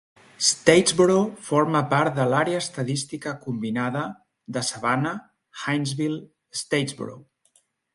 Statesboro forma part de l"Àrea estadística combinada de Savannah-Hinesville-Statesboro.